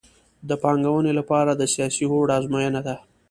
د پانګونې لپاره د سیاسي هوډ ازموینه ده